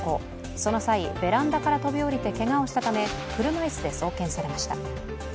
その際、ベランダから飛び降りてけがをしたため車椅子で送検されました。